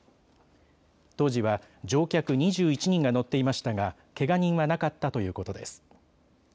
当時は乗客２１人が乗っていましたがけが人はなかったということです。